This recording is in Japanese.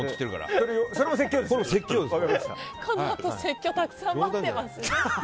このあと説教たくさん待ってます。